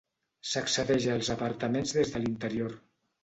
S'accedeix als apartaments des de l'interior.